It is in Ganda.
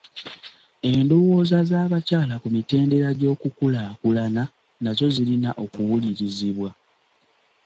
Endowooza z'abakyala ku mitendera gy'okukulaakulana nazo zirina okuwulirizibwa.